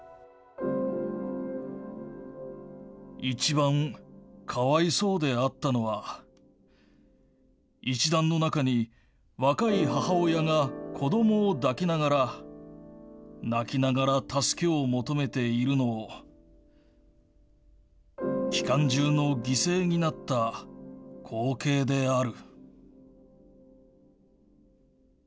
一番かわいそうであったのは、一団の中に若い母親が子どもを抱きながら、泣きながら助けを求めているのを、機関銃の犠牲になった光景である。